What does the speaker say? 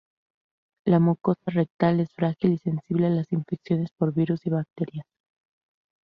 La mucosa rectal es frágil y sensible a las infecciones por virus y bacterias.